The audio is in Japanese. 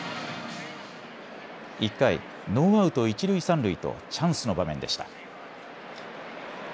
１回、ノーアウト一塁三塁とチャンスの場面でした。